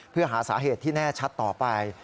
เพื่อหาสาเหตุที่แน่ชัดต่อไป